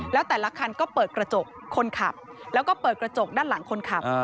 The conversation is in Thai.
แล้วแต่ละคันก็เปิดกระจกคนขับแล้วก็เปิดกระจกด้านหลังคนขับ